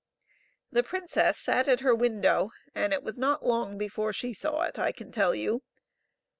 The princess sat at her window, and it was not long before she saw it, I can tell you.